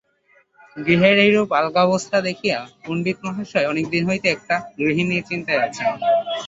গৃহের এইরূপ আলগা অবস্থা দেখিয়া পণ্ডিতমহাশয় অনেক দিন হইতে একটি গৃহিণীর চিন্তায় আছেন।